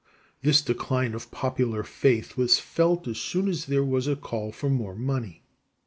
This decline of popular faith was felt as soon as there was a call for more money.